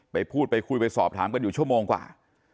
ไปพูดไปคุยไปสอบถามกันอยู่ชั่วโมงกว่า